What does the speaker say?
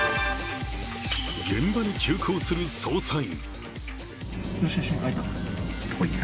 現場に急行する捜査員。